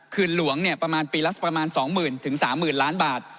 คืนหลวงปีละประมาณ๒๐๐๐๐๓๐๐๐๐ล้านบาท